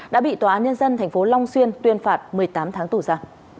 đã bị tòa án nhân dân tp long xuyên tuyên phạt một mươi tám tháng tù ra